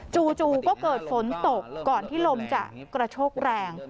จู่ก็เกิดฝนตกก่อนที่ลมจะกระโชกแรง